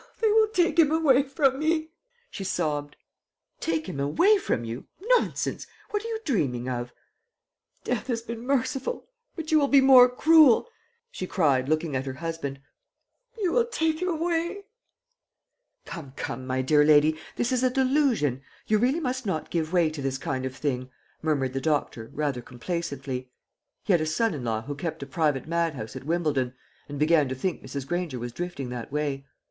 "They will take him away from me!" she sobbed. "Take him away from you nonsense! What are you dreaming of?" "Death has been merciful; but you will be more cruel," she cried, looking at her husband. "You will take him away." "Come, come, my dear lady, this is a delusion; you really must not give way to this kind of thing," murmured the doctor, rather complacently. He had a son in law who kept a private madhouse at Wimbledon, and began to think Mrs. Granger was drifting that way.